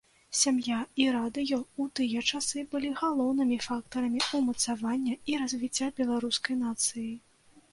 Сям'я і радыё ў тыя часы былі галоўнымі фактарамі ўмацавання і развіцця беларускай нацыі.